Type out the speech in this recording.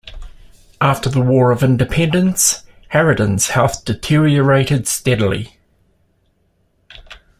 After the War of Independence, Haraden's health deteriorated steadily.